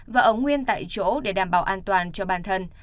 và ống nguyên tại chỗ để đảm bảo an toàn cho bản thân